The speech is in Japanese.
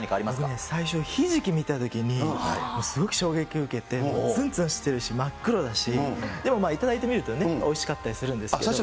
僕最初、ヒジキ見たときに、つんつんしてるし、真っ黒だし、でも、頂いてみると、おいしかったりするんですけど。